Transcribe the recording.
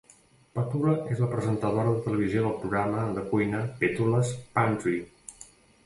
Petula és la presentadora de televisió del programa de cuina "Petula's Pantry".